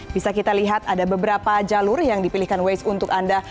bisa kita lihat ada beberapa jalur yang dipilihkan waze untuk anda